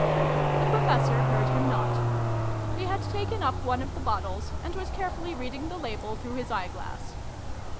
The Professor heard him not. He had taken up one of the bottles, and was carefully reading the label through his eye glass.